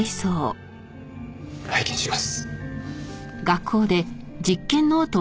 拝見します。